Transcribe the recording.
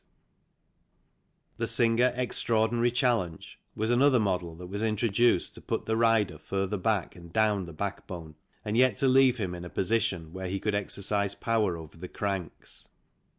14 THE CYCLE INDUSTRY The Singer Xtraordinary Challenge was another model that was introduced to put the rider further back and down the backbone and yet to leave him in a position where he could exercise power over the cranks.